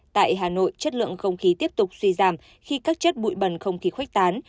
tại hà nội chất lượng không khí tiếp tục suy giảm khi các chất bụi bẩn không khí khuếch tán